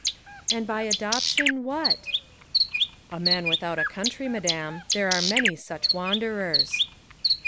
''And by adoption what?" '' A man without a country, Madame ; there are many such wanderers.